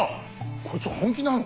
こいつは本気なのか？